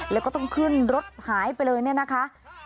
แล้วก็ต้องขึ้นรถหายไปเลยเนี่ยนะคะ